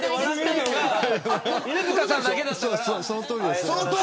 そのとおりです。